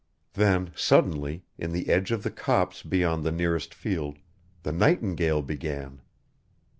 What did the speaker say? Then suddenly, in the edge of the copse beyond the nearest field, the nightingale began.